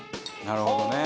なるほどね。